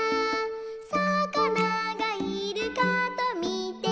「さかながいるかとみてました」